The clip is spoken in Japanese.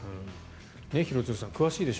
廣津留さん詳しいでしょ？